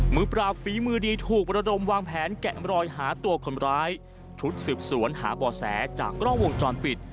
มือปราบฝีมือดีถูกระดมวางแผนแกะมรอยหาตัวคนร้ายชุดสืบสวนหาบ่อแสจากกล้องวงจรปิด